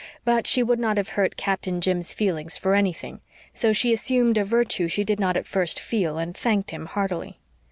But she would not have hurt Captain Jim's feelings for anything; so she assumed a virtue she did not at first feel, and thanked him heartily.